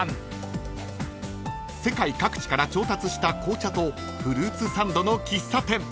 ［世界各地から調達した紅茶とフルーツサンドの喫茶店］